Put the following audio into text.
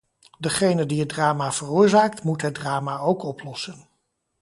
Degene die het drama veroorzaakt moet het drama ook oplossen.